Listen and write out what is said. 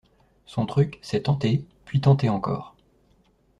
Son truc, c’est tenter, puis tenter encore.